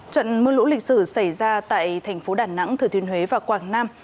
trận mưa lũ lịch sử xảy ra tại thành phố đà nẵng thừa thiên huế và quảng nam